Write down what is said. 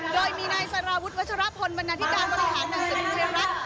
โดยมีนายสารวุฒิวัชรพลบรรณาธิการบริษัทนางศึกเทียนรัฐ